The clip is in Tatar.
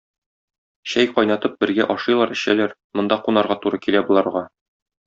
Чәй кайнатып, бергә ашыйлар-эчәләр, монда кунарга туры килә боларга.